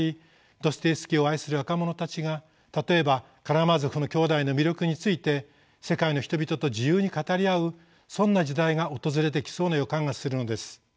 ドストエフスキーを愛する若者たちが例えば「カラマーゾフの兄弟」の魅力について世界の人々と自由に語り合うそんな時代が訪れてきそうな予感がするのです。